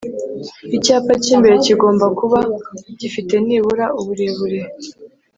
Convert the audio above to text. Icyapa cy’imbere kigomba kuba gifite nibura uburebure